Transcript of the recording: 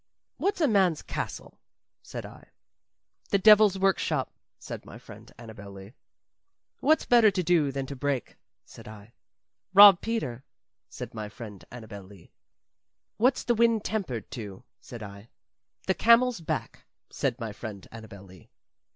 "What's a man's castle?" said I. "The devil's workshop," said my friend Annabel Lee. "What's better to do than to break?" said I. "Rob Peter," said my friend Annabel Lee. "What's the wind tempered to?" said I. "The camel's back," said my friend Annabel Lee.